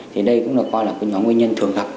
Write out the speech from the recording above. thì đây cũng được coi là cái nhóm nguyên nhân thường gặp